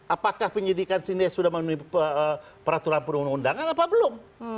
apakah penyidikan sudah memenuhi peraturan perundangan atau belum